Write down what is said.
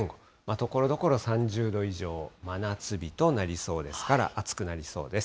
ところどころ３０度以上、真夏日となりそうですから、暑くなりそうです。